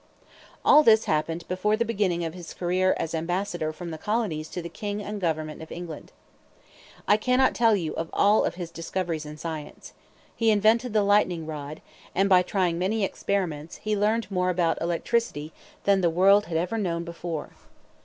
All this happened before the beginning of his career as ambassador from the colonies to the king and government of England. I cannot tell you of all of his discoveries in science. He invented the lightning rod, and, by trying many experiments, he learned more about electricity than the world had ever known before.